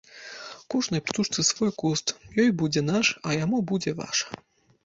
Кожнай птушцы свой куст, ёй будзе наш, а яму будзе ваша.